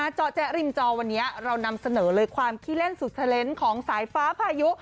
เจาะแจ๊ริมจอวันนี้เรานำเสนอเลยความขี้เล่นสุดเทอร์เลนส์ของสายฟ้าพายุ